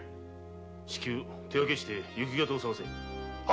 至急手分けして行方を探せ！